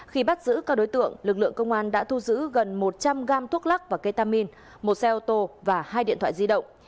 khi bắt giữ các đối tượng lực lượng công an đã thu giữ gần một trăm linh gam thuốc lắc và ketamin một xe ô tô và hai điện thoại di động